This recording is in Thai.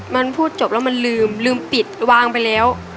มันพูดจบแล้วมันลืมลืมปิดวางไปแล้ว